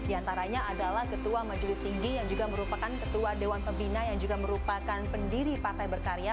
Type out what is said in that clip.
di antaranya adalah ketua majelis tinggi yang juga merupakan ketua dewan pembina yang juga merupakan pendiri partai berkarya